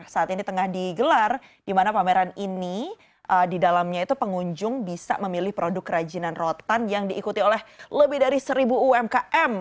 saat ini tengah digelar di mana pameran ini di dalamnya itu pengunjung bisa memilih produk kerajinan rotan yang diikuti oleh lebih dari seribu umkm